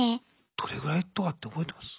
どれぐらいとかって覚えてます？